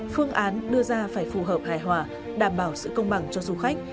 phương án đưa ra phải phù hợp hài hòa đảm bảo sự công bằng cho du khách